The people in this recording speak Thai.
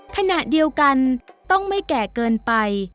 ขณะเดียวกันต้องไม่แก่เกินไป